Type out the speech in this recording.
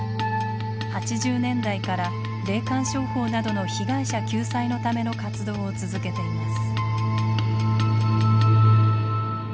８０年代から霊感商法などの被害者救済のための活動を続けています。